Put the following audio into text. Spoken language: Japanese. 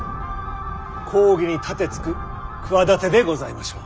公儀に盾つく企てでございましょう。